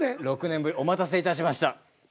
お待たせいたしました。